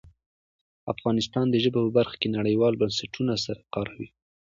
افغانستان د ژبو په برخه کې نړیوالو بنسټونو سره کار کوي.